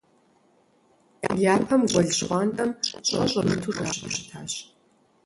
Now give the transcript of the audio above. Япэм гуэл Щхъуантӏэм щӏэ щӏэмыту жаӏэу щытащ.